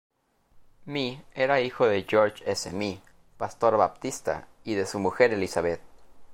Mee era hijo de George S. Mee, pastor baptista, y de su mujer Elizabeth.